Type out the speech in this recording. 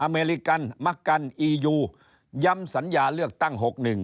เมริกันมักกันอียูย้ำสัญญาเลือกตั้ง๖๑